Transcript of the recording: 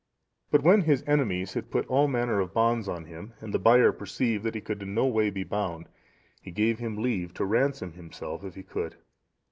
But when his enemies had put all manner of bonds on him, and the buyer perceived that he could in no way be bound, he gave him leave to ransom himself if he could.